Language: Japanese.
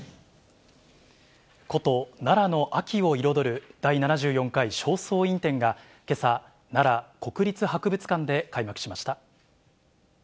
古都・奈良の秋を彩る第７４回正倉院展が、けさ、奈良国立博物館で開幕しました。